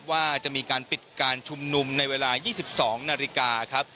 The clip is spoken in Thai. ว่าจะมีการปิดการชุมนุมในเวลา๒๒นาฬิกาครับ